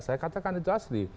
saya katakan itu asli